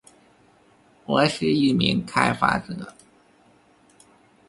我是一名开发者